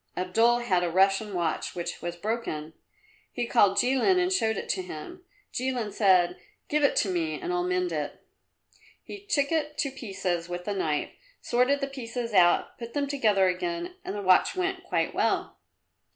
Abdul had a Russian watch which was broken. He called Jilin and showed it to him. Jilin said, "Give it to me and I'll mend it." He took it to pieces with the knife, sorted the pieces out, put them together again and the watch went quite well.